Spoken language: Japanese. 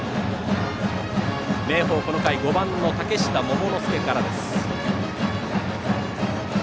明豊、この回５番の嶽下桃之介からです。